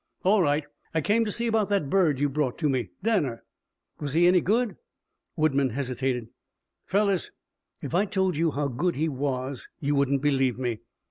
"All right. I came to see about that bird you brought to me Danner." "Was he any good?" Woodman hesitated. "Fellows, if I told you how good he was, you wouldn't believe me.